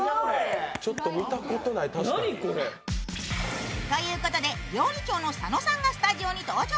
ちょっと見たことない、確かに。ということで料理長の佐野さんがスタジオに登場。